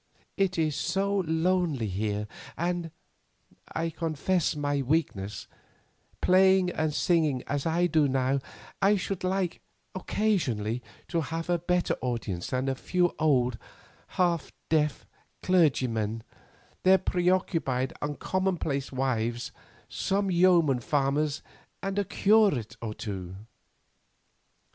It is so lonely here, and—I confess my weakness—playing and singing as I do now, I should like, occasionally, to have a better audience than a few old, half deaf clergymen, their preoccupied and commonplace wives, some yeomen farmers, and a curate or two.